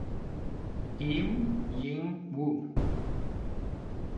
Kim Jin-woo